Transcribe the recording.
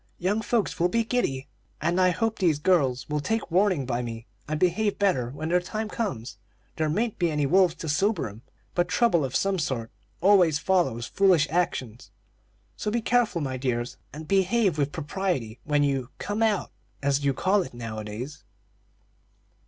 Young folks will be giddy, and I hope these girls will take warning by me and behave better when their time comes. There mayn't be any wolves to sober 'em, but trouble of some sort always follows foolish actions; so be careful, my dears, and behave with propriety when you 'come out,' as you call it nowadays."